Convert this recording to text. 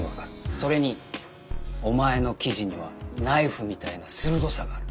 それにお前の記事にはナイフみたいな鋭さがある。